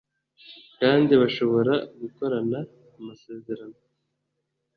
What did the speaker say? kandi bashobora gukorana amasezerano